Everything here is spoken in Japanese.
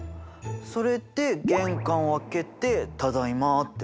それで玄関を開けてただいまって。